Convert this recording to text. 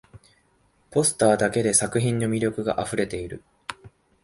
ポスターだけで作品の魅力があふれている